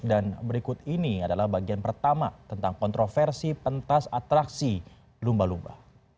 dan berikut ini adalah bagian pertama tentang kontroversi pentas atraksi lumba lumba